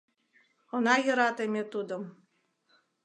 — Она йӧрате ме тудым.